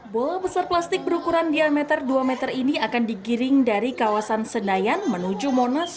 bola besar plastik berukuran diameter dua meter ini akan digiring dari kawasan senayan menuju monas